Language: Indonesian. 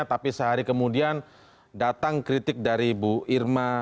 tapi sehari kemudian datang kritik dari bu irma